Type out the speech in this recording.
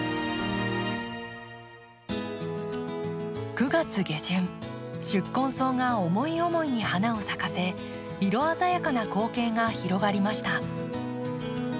９月下旬宿根草が思い思いに花を咲かせ色鮮やかな光景が広がりました。